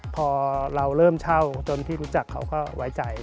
พอเราเริ่มเช่าจนที่รู้จักเขาก็ไว้ใจ